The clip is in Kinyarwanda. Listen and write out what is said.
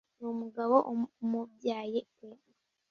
ni umugabo umubyaye pe